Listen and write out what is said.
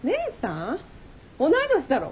同い年だろ。